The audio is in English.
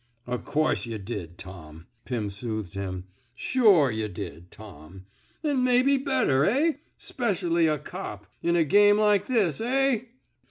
*^ Of course yuh did, Tom," Pim soothed him. Sure yuh did, Tom. An' maybe better, eh? 'Specially a cop — in a game like this, eh?